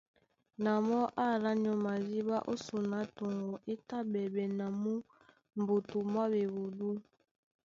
Na mɔ́ é alá nyɔ́ madíɓá ó son á toŋgo é tá ɓɛɓɛ na mú mbutu mwá ɓewudú.